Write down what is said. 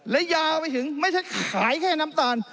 และยาวไปถึงไม่ใช่ขายแค่น้ำตาล